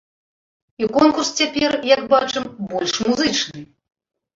І конкурс цяпер, як бачым, больш музычны.